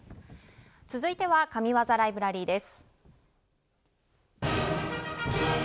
続いては神技ライブラリーです。